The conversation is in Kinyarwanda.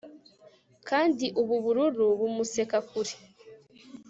Kandi ubu bururu bumuseka kure